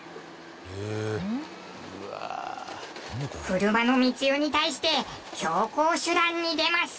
車の密輸に対して強硬手段に出ます！